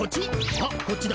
あっこっちだ。